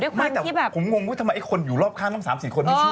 ผมมันงงด้วยไงที่คนอยู่รอบข้างตั้ง๓๔คนไม่ช่วย